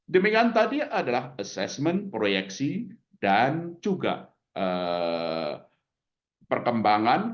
demikian tadi adalah assessment proyeksi dan juga perkembangan